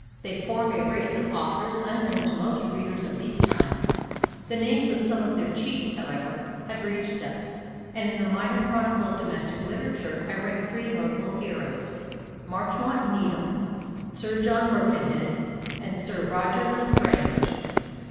They form a race of authors unknown to most readers of these times: the names of some of their chiefs, however, have reached us, and in the minor chronicle of domestic literature I rank three notable heroes; Marchmont Needham, Sir John Birkenhead, and Sir Roger L'Estrange.